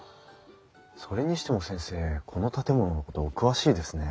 それにしても先生この建物のことお詳しいですね？